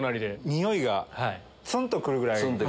匂いがツンとくるぐらい。